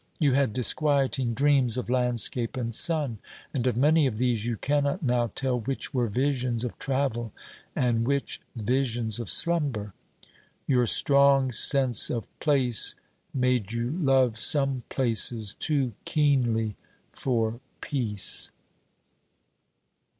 You had disquieting dreams of landscape and sun, and of many of these you cannot now tell which were visions of travel and which visions of slumber. Your strong sense of place made you love some places too keenly for peace.